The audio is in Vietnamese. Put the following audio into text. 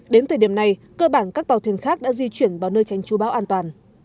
đến thời điểm này cơ bản các tàu thuyền khác đã di chuyển vào nơi tránh chú bão an toàn